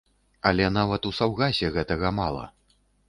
Але нават у саўгасе гэтага мала.